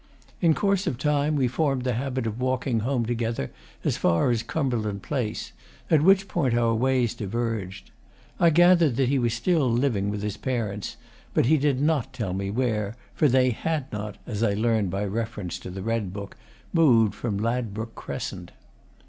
In course of time we formed the habit of walking home together as far as Cumberland Place, at which point our ways diverged. I gathered that he was still living with his parents, but he did not tell me where, for they had not, as I learned by reference to the Red Book, moved from Ladbroke Crescent.